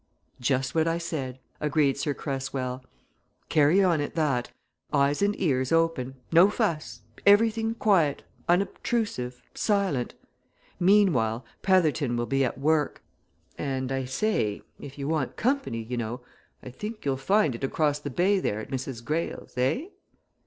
"Just what I said," agreed Sir Cresswell. "Carry on at that eyes and ears open; no fuss; everything quiet, unobtrusive, silent. Meanwhile Petherton will be at work. And I say if you want company, you know I think you'll find it across the bay there at Mrs. Greyle's eh?"